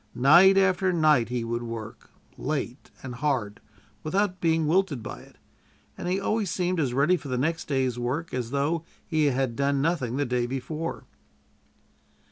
Night after night he would work late and hard without being wilted by it, and he always seemed as ready for the next day's work as though he had done nothing the day before.